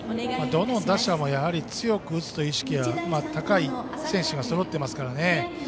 どの打者も強く打つという意識が高い選手がそろっていますからね。